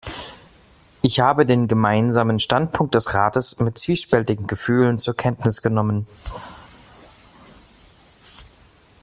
Ich habe den Gemeinsamen Standpunkt des Rates mit zwiespältigen Gefühlen zur Kenntnis genommen.